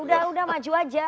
sudah maju saja